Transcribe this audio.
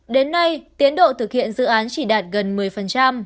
đến nay tiến độ thực hiện dự án chỉ đạt gần một mươi